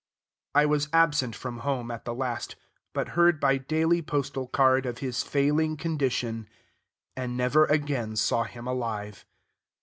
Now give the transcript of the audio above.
I was absent from home at the last, but heard by daily postal card of his failing condition; and never again saw him alive.